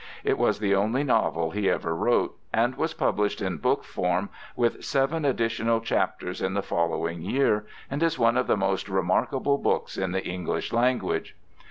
It was the only novel he ever wrote, and was published in book form with seven additional chapters in the following year, and is one of the most remarkable books in the English language.